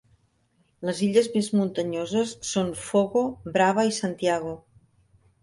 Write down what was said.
Les illes més muntanyoses són Fogo, Brava i Santiago.